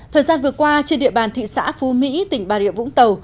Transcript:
thời gian vừa qua trên địa bàn thị xã phú mỹ tỉnh bà rịa vũng tàu